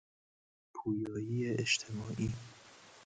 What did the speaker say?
پویایی اجتماعی